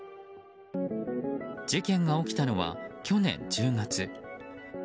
事件が起きたのは去年１０月。